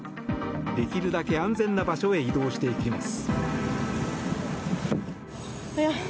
できるだけ安全な場所へ移動していきます。